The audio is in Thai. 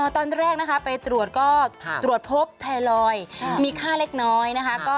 ตอนแรกนะคะไปตรวจก็ตรวจพบไทรอยด์มีค่าเล็กน้อยนะคะ